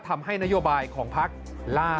ทำให้นโยบายของพักล่า